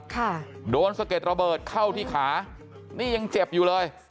ค่ะโดนสะเก็ดระเบิดเข้าที่ขานี่ยังเจ็บอยู่เลย